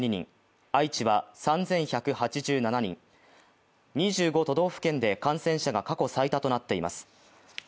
愛知は３１８７人、２５都道府県で感染者が過去最多となっています。